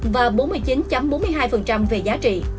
và bốn mươi chín chín về giá trị